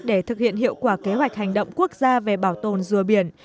để thực hiện hiệu quả kế hoạch hành động quốc gia về bảo tồn dùa biển